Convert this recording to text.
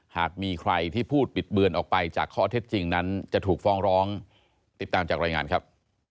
หากมีใครที่พูดบิดเบือนออกไปจากข้อเท็จจริงนั้นจะถูกฟ้องร้องติดตามจากรายงานครับ